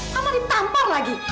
kamu ditampar lagi